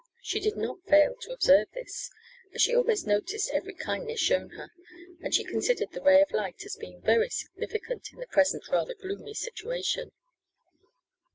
She did not fail to observe this, as she always noticed every kindness shown her, and she considered the "ray of light" as being very significant in the present rather gloomy situation.